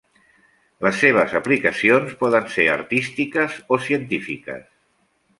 Les seves aplicacions poden ser artístiques o científiques.